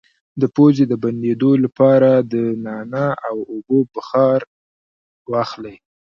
د پوزې د بندیدو لپاره د نعناع او اوبو بخار واخلئ